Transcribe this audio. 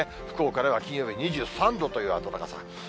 福岡では金曜日２３度という暖かさ。